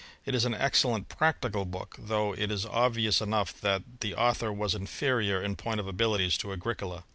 It is an excellent prac tical book ; though it is obvious enough that the author was inferior in point of abilities to Agricola.